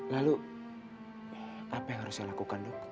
lalu apa yang harus saya lakukan dulu